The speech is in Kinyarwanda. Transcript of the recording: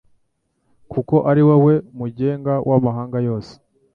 kuko ari wowe mugenga w’amahanga yose